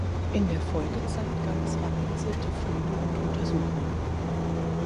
In der Folgezeit gab es vereinzelte Funde und Untersuchungen.